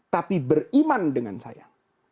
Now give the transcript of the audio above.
tapi beriman dengan saya